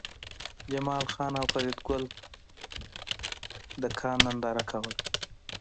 جمال خان او فریدګل د کان ننداره کوله